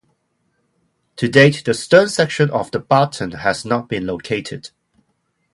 To date the stern section of the "Barton" has not been located.